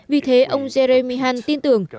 vì thế ông jeremy hunt tin tưởng